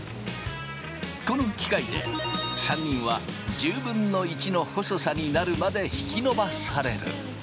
この機械で３人は１０分の１の細さになるまで引き伸ばされる。